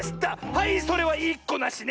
はいそれはいいっこなしね！